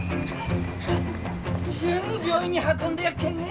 すぐ病院に運んでやっけんね。